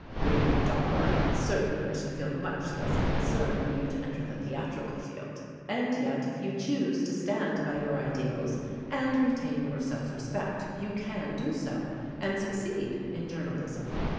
Were you my daughter, I am certain I should feel much less concern were you to enter the theatrical field. And yet if you choose to stand by your ideals, and retain your self respect, you can do so, and succeed in journalism.